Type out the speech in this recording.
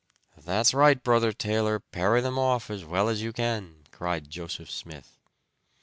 "That's right, Brother Taylor, parry them off as well as you can!" cried Joseph Smith.